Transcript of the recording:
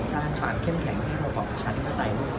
สร้างความเข้มแข็งที่เราบอกวัชกะแทบรัฐไทยไม่มีปัญหา